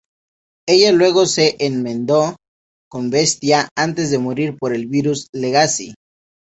Ella luego se enmendó con Bestia antes de morir por el virus Legacy.